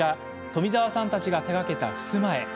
富澤さんたちが手がけたふすま絵。